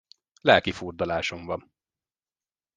Lelkifurdalásom van.